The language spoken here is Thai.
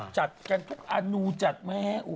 จัดกันทุกอนุจัดแม่